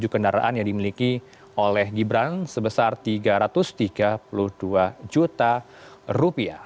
tujuh kendaraan yang dimiliki oleh gibran sebesar rp tiga ratus tiga puluh dua juta